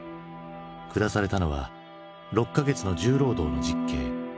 下されたのは６か月の重労働の実刑。